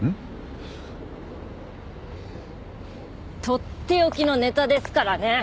とっておきのネタですからね！